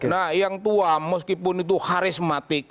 nah yang tua meskipun itu karismatik